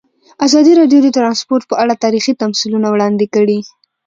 ازادي راډیو د ترانسپورټ په اړه تاریخي تمثیلونه وړاندې کړي.